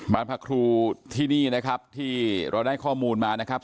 พระครูที่นี่นะครับที่เราได้ข้อมูลมานะครับ